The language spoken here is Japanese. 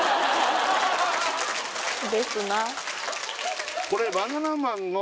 「ですな」